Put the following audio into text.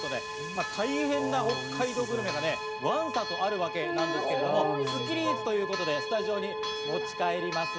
大変な北海道グルメがわんさとあるわけなんですけれどもスッキリイーツということでスタジオに持ち帰ります。